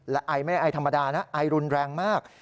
และไอไม่ได้ไอธรรมดานะไอรุนแรงมาก